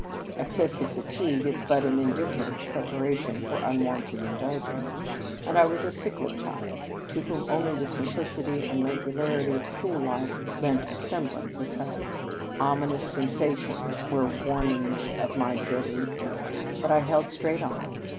Excessive fatigue is but an indifferent prepara tion for unwonted indulgence; and I was a sickly child, to whom only the simplicity and regularity of school life lent a semblance of health. Ominous sensations were warning me of my deadly peril; but I held straight on.